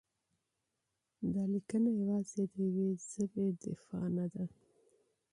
دا لیکنه یوازې د یوې ژبې دفاع نه ده؛